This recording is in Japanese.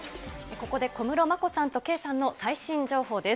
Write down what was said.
ここで小室眞子さんと圭さんの最新情報です。